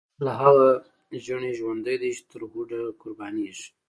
لاهغه ژڼی ژوندی دی، چی ترهوډه قربانیږی